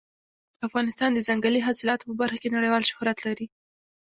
افغانستان د ځنګلي حاصلاتو په برخه کې نړیوال شهرت لري.